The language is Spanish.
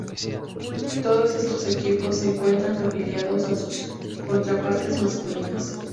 Todos estos equipos se encuentran afiliados a sus contrapartes masculinas.